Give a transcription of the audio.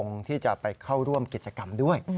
ที่จะไปเข้าร่วมกิจกรรมด้วย